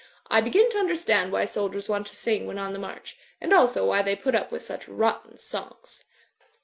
I begin to understand why soldiers want to sing when on the march ; and also why they put up with such rotten songs.